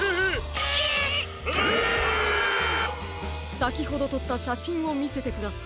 さきほどとったしゃしんをみせてください。